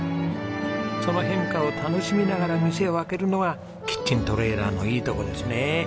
その変化を楽しみながら店を開けるのがキッチントレーラーのいいところですね。